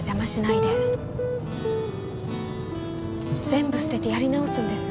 全部捨ててやり直すんです。